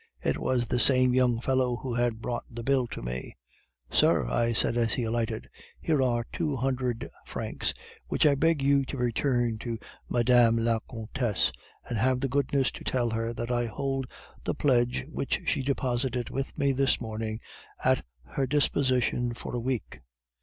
It was the same young fellow who had brought the bill to me. "'"Sir," I said, as he alighted, "here are two hundred francs, which I beg you to return to Mme. la Comtesse, and have the goodness to tell her that I hold the pledge which she deposited with me this morning at her disposition for a week."